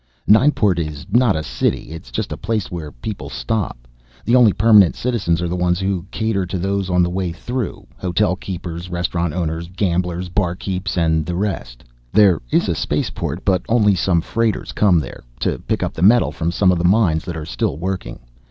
Nineport is not a city, it's just a place where people stop. The only permanent citizens are the ones who cater to those on the way through. Hotel keepers, restaurant owners, gamblers, barkeeps, and the rest. There is a spaceport, but only some freighters come there. To pick up the metal from some of the mines that are still working.